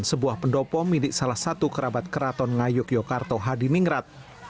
sebuah pendopo milik salah satu kerabat keraton ngayuk yogyakarta hadi mingrat